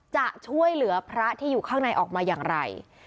จะช่วยเหลือพระที่อยู่ข้างในออกมาอย่างไร